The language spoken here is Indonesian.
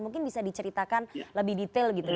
mungkin bisa diceritakan lebih detail gitu